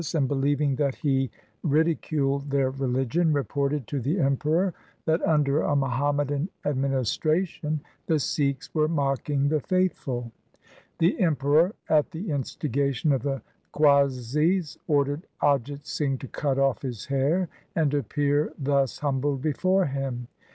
LIFE OF GURU GOBIND SINGH 255 believing that he ridiculed their religion, reported to the Emperor that under a Muhammadan administra tion the Sikhs were mocking the faithful. The Emperor at the instigation of the qazis ordered Ajit Singh to cut off his hair and appear thus humbled before him.